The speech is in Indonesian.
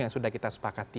yang sudah kita sepakati